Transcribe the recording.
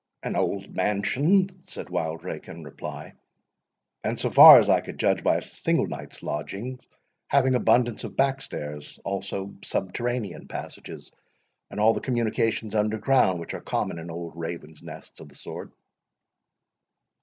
"An old mansion," said Wildrake, in reply; "and, so far as I could judge by a single night's lodgings, having abundance of backstairs, also subterranean passages, and all the communications under ground, which are common in old raven nests of the sort."